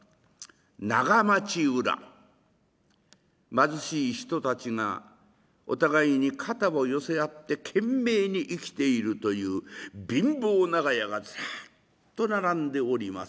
貧しい人たちがお互いに肩を寄せ合って懸命に生きているという貧乏長屋がずらっと並んでおります。